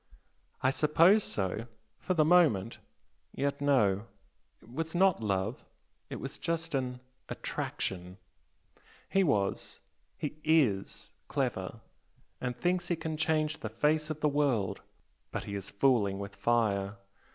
"I suppose so for the moment! Yet no, it was not love it was just an 'attraction' he was he IS clever, and thinks he can change the face of the world. But he is fooling with fire!